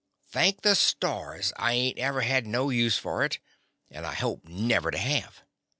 Thank the stars I ain't ever had no use for it, and I hope never to have.